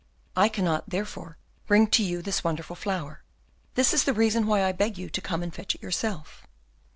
I cannot, therefore, bring to you this wonderful flower. This is the reason why I beg you to come and fetch it yourself.